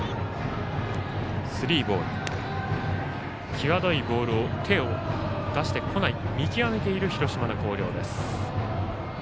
際どいボールを手を出してこない見極めている広島の広陵です。